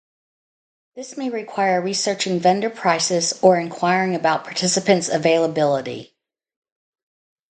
This may require researching vendor prices or inquiring about participants' availability.